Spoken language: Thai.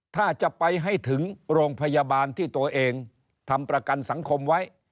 ถ้าจะไปให้ถึงโรงพยาบาลที่ตัวเองทำประกันสังคมไว้